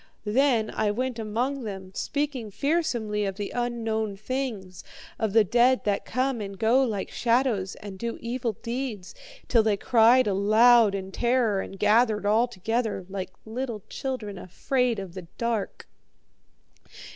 Then I went among them, speaking fearsomely of the unknown things, of the dead that come and go like shadows and do evil deeds, till they cried aloud in terror and gathered all together, like little children afraid of the dark.